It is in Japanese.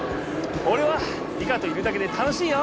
おれはリカといるだけで楽しいよ！